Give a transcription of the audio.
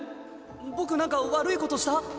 僕なんか悪いことした？